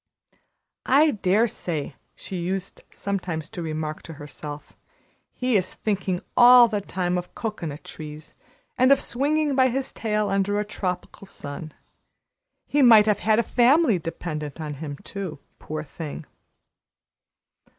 "I dare say," she used sometimes to remark to herself, "he is thinking all the time of cocoanut trees and of swinging by his tail under a tropical sun. He might have had a family dependent on him too, poor thing!"